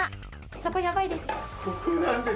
そこやばいです。